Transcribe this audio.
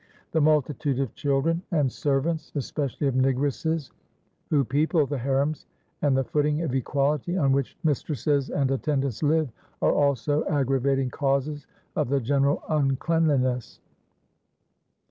The multitude of children and servants, especially of negresses, who people the harems, and the footing of equality on which mistresses and attendants live, are also aggravating causes of the general uncleanliness.